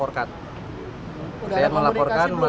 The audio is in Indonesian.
untuk mencari keadilan kita harus mengambil keterangan yang terbaik